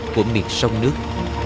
của miền sông nước